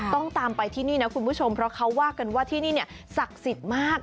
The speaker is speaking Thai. ต้องตามไปที่นี่นะคุณผู้ชมเพราะเขาว่ากันว่าที่นี่เนี่ยศักดิ์สิทธิ์มาก